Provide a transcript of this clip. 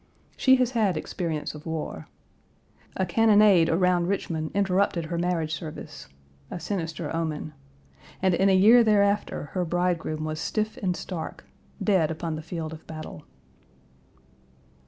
She has had experience of war. A cannonade around Richmond interrupted her marriage service a sinister omen and in a year thereafter her bridegroom was stiff and stark dead upon the field of battle.